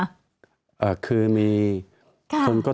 ตั้งแต่เริ่มมีเรื่องแล้ว